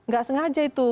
gak sengaja itu